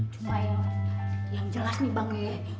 cuma yang jelas nih bang ya